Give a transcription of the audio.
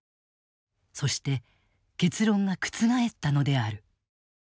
そして結論が覆ったのである。